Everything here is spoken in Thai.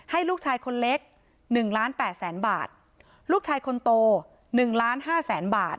ให้ลูกชายคนเล็กหนึ่งล้านแปดแสนบาทลูกชายคนโตหนึ่งล้านห้าแสนบาท